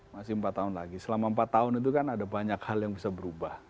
masih empat tahun lagi selama empat tahun itu kan ada banyak hal yang bisa berubah